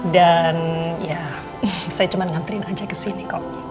dan ya saya cuma nganterin aja kesini kok